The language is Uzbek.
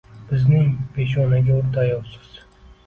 Bizning peshonaga urdi ayovsiz.